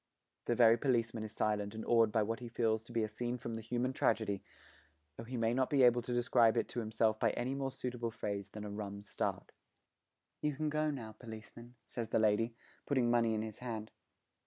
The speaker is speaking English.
The very policeman is silent and awed by what he feels to be a scene from the human tragedy, though he may not be able to describe it to himself by any more suitable phrase than 'a rum start.' 'You can go now, policeman,' says the lady, putting money in his hand.